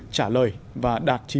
trả lời và đạt chín mươi chín tám